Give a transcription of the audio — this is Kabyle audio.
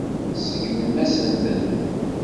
Tseggmem-asen-ten.